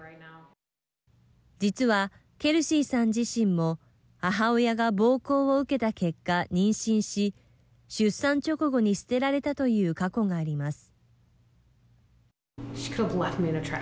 実はケルシーさん自身も母親が暴行を受けた結果妊娠し出産直後に捨てられたという過去があります。